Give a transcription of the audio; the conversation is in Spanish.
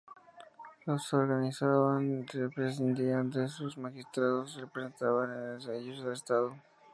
Los organizaban y presidían sus magistrados que representaban en ellos al estado.